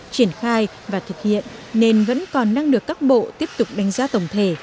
triển khai và thực hiện nên vẫn còn đang được các bộ tiếp tục đánh giá tổng thể